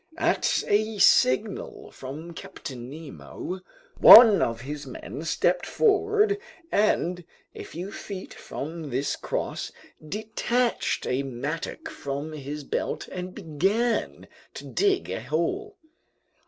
At a signal from Captain Nemo, one of his men stepped forward and, a few feet from this cross, detached a mattock from his belt and began to dig a hole.